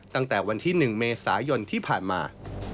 ตั้งแต่วันที่๑เมษายนที่ผ่านมา